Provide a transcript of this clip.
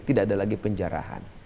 tidak ada lagi penjarahan